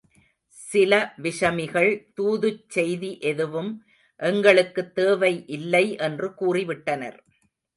சில விஷமிகள், தூதுச் செய்தி எதுவும் எங்களுக்குத் தேவை இல்லை என்று கூறி விட்டனர்.